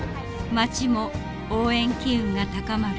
町も応援機運が高まる。